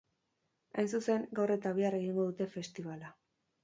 Hain zuzen, gaur eta bihar egingo dute festibala.